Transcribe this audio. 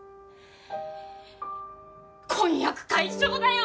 婚約解消だよ！